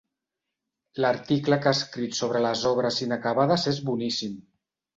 L'article que ha escrit sobre les obres inacabades és boníssim.